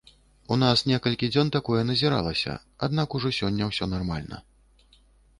У нас некалькі дзён такое назіралася, аднак ужо сёння ўсё нармальна.